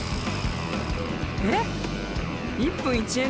えっ？